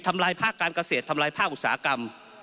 ลายภาคการเกษตรทำลายภาคอุตสาหกรรม